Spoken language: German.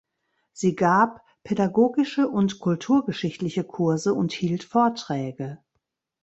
Sie gab pädagogische und kulturgeschichtliche Kurse und hielt Vorträge.